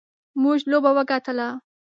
موږ لوبه وګټله.